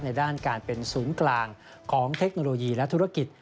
ด้านการเป็นศูนย์กลางของเทคโนโลยีและธุรกิจ